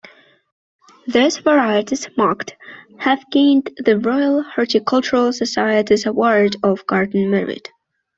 Those varieties marked have gained the Royal Horticultural Society's Award of Garden Merit.